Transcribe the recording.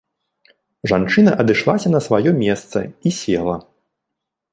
Жанчына адышлася на сваё месца і села.